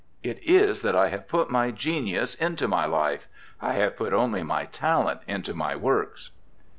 It is that I have put my genius into my life I have put only my talent into my works.'